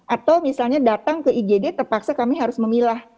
atau misalnya datang ke igd terpaksa kami harus memilah